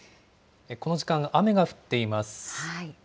この時間、雨が降っています。